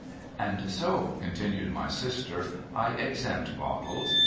' And so,' continued my sister, ' I exempt Bottles.